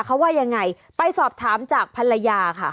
เขาว่ายังไงไปสอบถามจากภรรยาค่ะ